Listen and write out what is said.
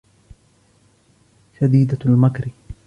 شَدِيدَةُ الْمَكْرِ